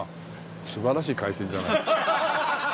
素晴らしい回転じゃない。